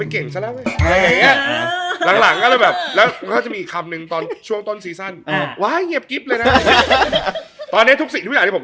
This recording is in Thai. อุ้ยโจโกแม้ร์เงียบเกรี๊บ